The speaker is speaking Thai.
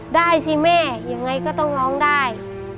ได้สิแม่ยังไงก็ต้องร้องได้